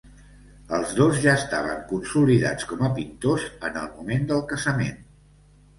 Els dos ja estaven consolidats com a pintors en el moment del casament.